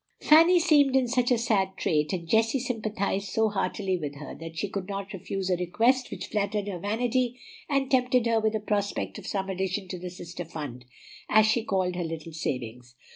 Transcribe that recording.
Fanny seemed in such a sad strait, and Jessie sympathized so heartily with her, that she could not refuse a request which flattered her vanity and tempted her with a prospect of some addition to the "Sister fund," as she called her little savings.